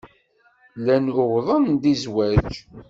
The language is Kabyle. Llan uwḍen-d i zzwaj.